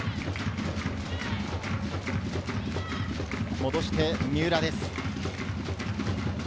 戻して三浦です。